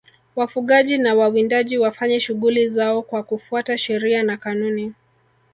wafugaji na wawindaji wafanye shughuli zao kwa kufuata sheria na kanuni